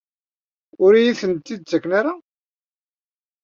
Ur iyi-ten-id-ttaken ara?